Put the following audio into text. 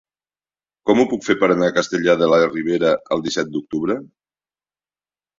Com ho puc fer per anar a Castellar de la Ribera el disset d'octubre?